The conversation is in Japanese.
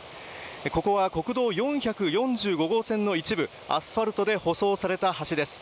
ここは国道４４５号線の一部アスファルトで舗装された橋です。